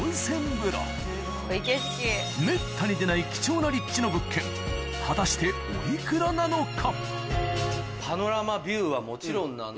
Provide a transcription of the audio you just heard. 風呂めったに出ない貴重な立地の物件果たして行かないのか？